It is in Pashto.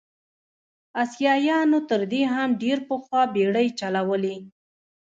اسیایانو تر دې هم ډېر پخوا بېړۍ چلولې.